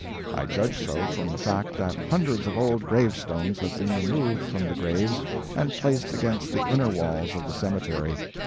I judge so from the fact that hundreds of old gravestones have been removed from the graves and placed against the inner walls of the cemetery.